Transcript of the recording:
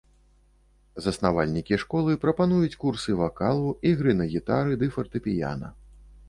Заснавальнікі школы прапануюць курсы вакалу, ігры на гітары ды фартэпіяна.